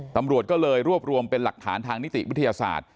ตำรวจก็เลยรวบรวมเป็นหลักฐานทางนิติวิทยาศาสตร์